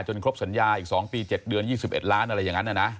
ครบสัญญาอีก๒ปี๗เดือน๒๑ล้านอะไรอย่างนั้นนะ